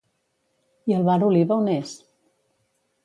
I el bar Oliva on és?